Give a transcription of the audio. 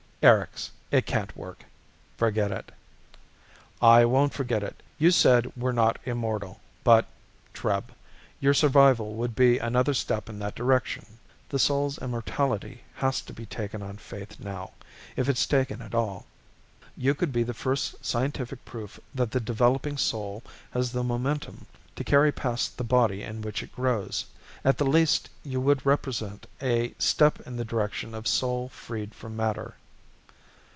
"Erics, it can't work. Forget it." "I won't forget it. You said we're not immortal but, Treb, your survival would be another step in that direction. The soul's immortality has to be taken on faith now if it's taken at all. You could be the first scientific proof that the developing soul has the momentum to carry past the body in which it grows. At the least you would represent a step in the direction of soul freed from matter."